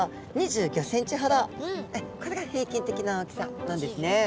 これが平均的な大きさなんですね。